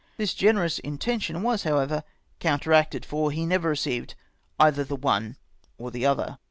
This generous intention was however counteracted, for he never received eitlier the one or the other.